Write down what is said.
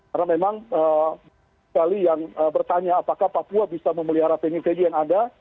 karena memang sekali yang bertanya apakah papua bisa memelihara femi femi yang ada